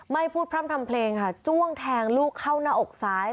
ไม่พูดพร่ำทำเพลงค่ะจ้วงแทงลูกเข้าหน้าอกซ้าย